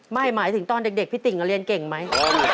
หมายถึงตอนเด็กพี่ติ่งเรียนเก่งไหม